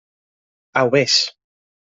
Au, vés.